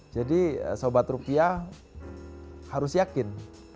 jadi sobat rupiah harus yakin